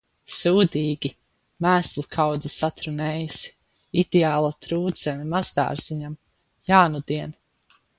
Sūdīgi! Mēslu kaudze satrunējusi, ideāla trūdzeme mazdārziņam, jānudien.